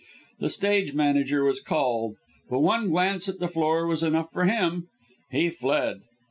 The Stage Manager was called, but one glance at the floor was enough for him he fled.